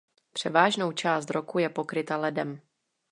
Převážnou část roku je pokryta ledem.